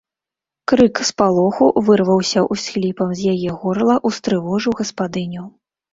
Крык спалоху вырваўся ўсхліпам з яе горла, устрывожыў гаспадыню.